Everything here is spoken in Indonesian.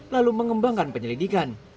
lalu mengembangkan penyelidikan